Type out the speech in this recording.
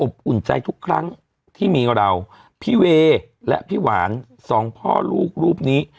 อุ่นใจทุกครั้งที่มีเราพี่เวย์และพี่หวานสองพ่อลูกรูปนี้